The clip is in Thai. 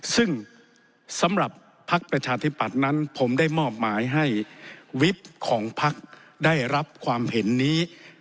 ซึ่งสำหรับภักดิ์ประชาธิปัตย์นั้นผมได้มอบหมายให้วิบของพักได้รับความเห็นนี้